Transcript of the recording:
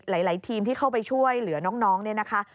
หลายทีมที่เข้าไปช่วยเหลือน้องเนี่ยนะคะ